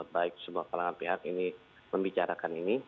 baik semua kalangan pihak ini membicarakan ini